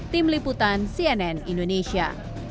tim liputan cnn indonesia